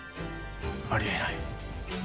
あり得ない。